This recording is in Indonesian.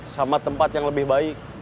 sama tempat yang lebih baik